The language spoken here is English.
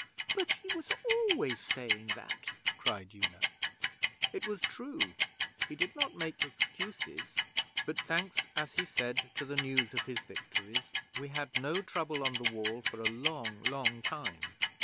'But he was always saying that,' cried Una. 'It was true. He did not make excuses; but thanks, as he said, to the news of his victories, we had no trouble on the Wall for a long, long time.